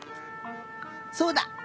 そうだ！